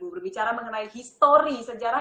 berbicara mengenai histori sejarah